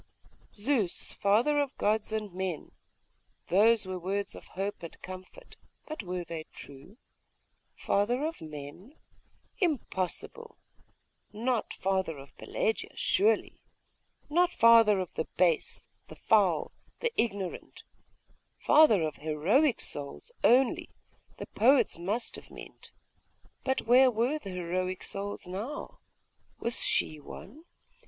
'Zeus, father of gods and men.'.... Those were words of hope and comfort.... But were they true? Father of men? Impossible! not father of Pelagia, surely. Not father of the base, the foul, the ignorant.... Father of heroic souls, only, the poets must have meant.... But where were the heroic souls now? Was she one?